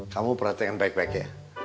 kamu perhatikan baik baiknya